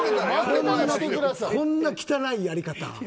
こんな汚いやり方。